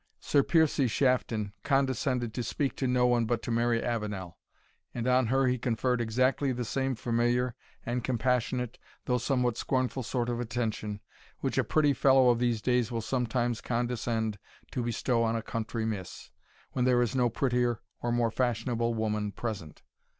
Sir Piercie Shafton condescended to speak to no one but to Mary Avenel, and on her he conferred exactly the same familiar and compassionate, though somewhat scornful sort of attention, which a pretty fellow of these days will sometimes condescend to bestow on a country miss, when there is no prettier or more fashionable woman present.